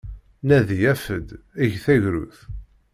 Nadi, af-d, eg tagrut!